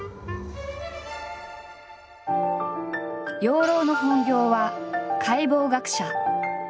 養老の本業は解剖学者。